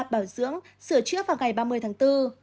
bảo dưỡng sửa chữa vào ngày ba mươi tháng bốn